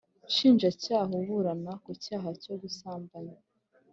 nshinjabyaha aburana ku cyaha cyo gusambanya